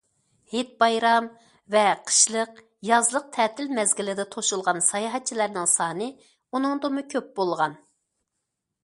ھېيت- بايرام ۋە قىشلىق، يازلىق تەتىل مەزگىلىدە توشۇلغان ساياھەتچىلەرنىڭ سانى ئۇنىڭدىنمۇ كۆپ بولغان.